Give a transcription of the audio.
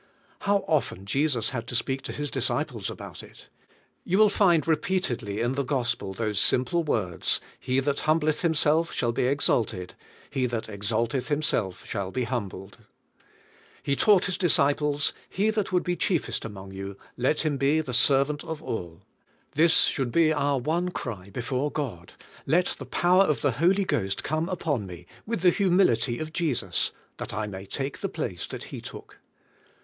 How often Jesus had to speak to his disciples about it! You will find repeatedly in the Gospel those simple words: "He that humbleth Himself shall be exalted; he that exalteth himself shall be humbled." He taught His disciples: "He that would be chiefest among you, let him be the serv ant of all." This should be our one cry before God: "Let the power of the Holy Ghost come upon me, with the humility of Jesus, that I may take the place that He took."